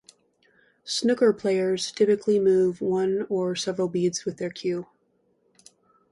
Snooker players typically move one or several beads with their cue.